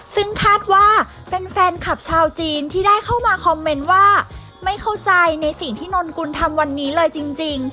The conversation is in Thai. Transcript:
ซึ่งคาดว่าเป็นแฟนคลับชาวจีนที่ได้เข้ามาคอมเมนต์ว่าไม่เข้าใจในสิ่งที่นนกุลทำวันนี้เลยจริง